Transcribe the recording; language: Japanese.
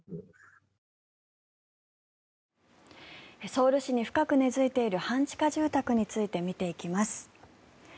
ソウル市に深く根付いている半地下住宅について見ていきます。